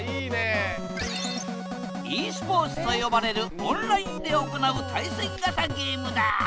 ｅスポーツと呼ばれるオンラインで行う対戦型ゲームだ。